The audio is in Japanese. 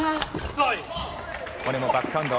これもバックハンド。